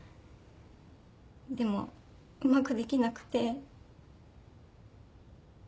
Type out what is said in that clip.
でもうまくできなくて。